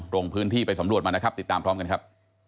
ลงพื้นที่ไปสำรวจมานะครับติดตามพร้อมกันครับ